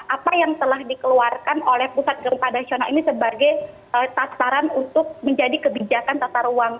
apa yang telah dikeluarkan oleh pusat gempa nasional ini sebagai sasaran untuk menjadi kebijakan tata ruang